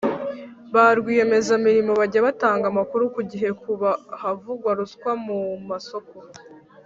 ba rwiyemezamirimo bajya batanga amakuru ku gihe ku havugwa ruswa mu masoko